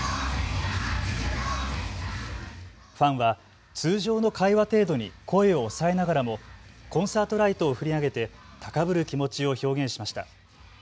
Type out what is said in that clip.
ファンは通常の会話程度に声を抑えながらもコンサートライトを振り上げて高ぶる気持ちを表現しました。